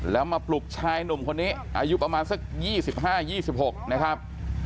แล้วมาปลุกชายหนุ่มคนนี้อายุประมาณสักยี่สิบห้ายี่สิบหกนะครับ